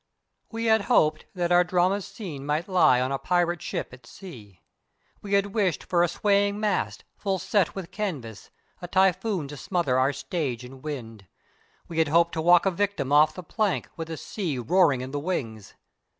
_ _We had hoped that our drama's scene might lie on a pirate ship at sea. We had wished for a swaying mast, full set with canvas a typhoon to smother our stage in wind. We had hoped to walk a victim off the plank, with the sea roaring in the wings.